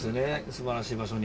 素晴らしい場所に。